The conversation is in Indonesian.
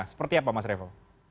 seperti apa mas revo